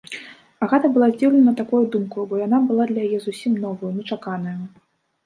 Агата была здзіўлена такою думкаю, бо яна была для яе зусім новаю, нечаканаю.